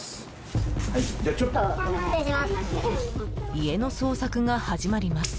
［家の捜索が始まります］